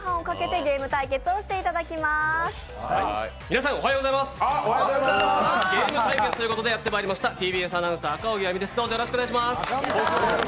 ゲーム対決ということでやってまいりました、ＴＢＳアナウンサー・赤荻歩です。